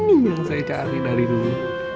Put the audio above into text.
ini yang saya cari dari dulu